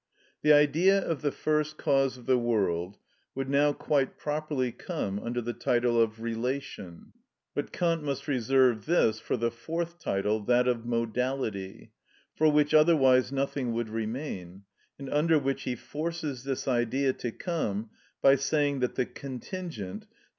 (3.) The Idea of the first cause of the world would now quite properly come under the title of relation; but Kant must reserve this for the fourth title, that of modality, for which otherwise nothing would remain, and under which he forces this idea to come by saying that the contingent (_i.